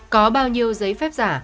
có bao nhiêu giấy phép giả